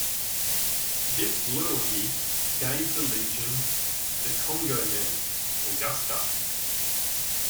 This loyalty gave the legion the cognomen "Augusta".